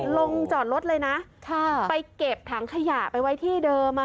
ลงจอดรถเลยนะไปเก็บถังขยะไปไว้ที่เดิม